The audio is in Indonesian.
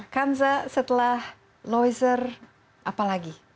kanza setelah loizer apalagi